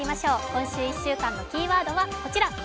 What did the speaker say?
今週１週間のキーワードはこちら。